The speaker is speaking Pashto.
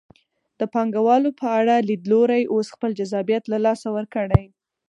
د پانګوالو په اړه لیدلوري اوس خپل جذابیت له لاسه ورکړی.